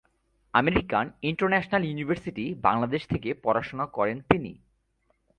American international ইউনিভার্সিটি-বাংলাদেশ থেকে পড়াশোনা করেন তিনি।